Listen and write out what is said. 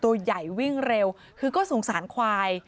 ตัวใหญ่วิ่งเร็วคือก็สงสารควาย